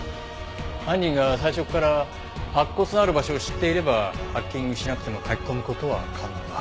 犯人が最初から白骨のある場所を知っていればハッキングしなくても書き込む事は可能だ。